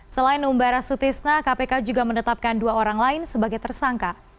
selain umbara sutisna kpk juga menetapkan dua orang lain sebagai tersangka